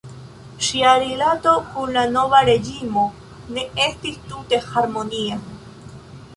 Ŝia rilato kun la nova reĝimo ne estis tute harmonia.